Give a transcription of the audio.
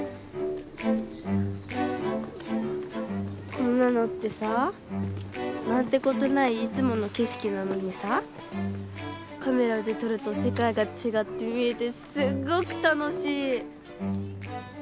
こんなのってさなんてことないいつものけしきなのにさカメラでとるとせかいがちがって見えてすっごく楽しい！